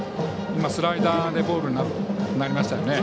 今、スライダーでボールになりましたよね。